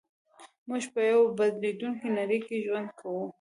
موږ په يوه بدلېدونکې نړۍ کې ژوند کوو.